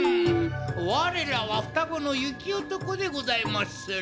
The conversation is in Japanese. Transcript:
われらはふたごのゆきおとこでございまする。